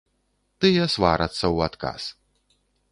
Тыя сварацца ў адказ.